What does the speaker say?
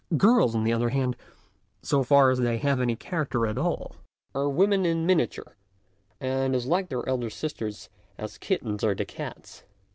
Girls, on the other hand, so far as they have any character at all, are women in miniature, and as like their elder sisters as kittens are to cats.